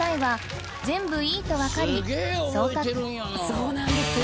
そうなんですよ。